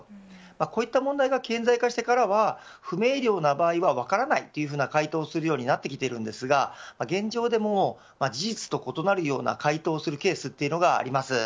こういった問題が顕在化してからは不明瞭な場合は分からないというふうな回答をするようになってきているんですが現状でも事実と異なるような回答をするケースというのがあります。